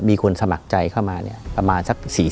มีคนสมัครใจเข้ามาเนี่ยประมาณสัก๔๐